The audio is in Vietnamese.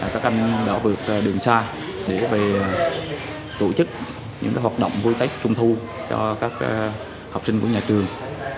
các anh đảo vượt đường xa để về tổ chức những hoạt động vui tết trung thu cho các học sinh của nhà trường